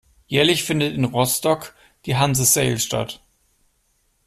Jährlich findet in Rostock die Hanse Sail statt.